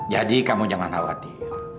jadi kamu jangan khawatir